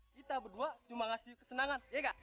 kita berdua cuma ngasih kesenangan ya gak